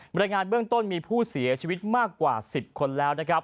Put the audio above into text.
บริงารเบื้องต้นมีผู้เสียชีวิตมากกว่า๑๐คนแล้ว